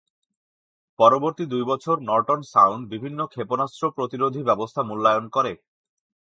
পরবর্তী দুই বছর "নর্টন সাউন্ড" বিভিন্ন ক্ষেপণাস্ত্র প্রতিরোধী ব্যবস্থা মূল্যায়ন করে।